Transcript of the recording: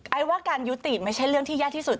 ว่าการยุติไม่ใช่เรื่องที่ยากที่สุด